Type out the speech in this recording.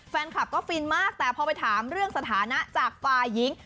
แฟนคลับก็ฟินมากแต่พอไปถามเรื่องสถานะจากฝ่ายหญิง